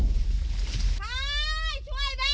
ชีวิตของป้าธำนามาตลอดเพิ่งมาหยุดธำนาเมื่อ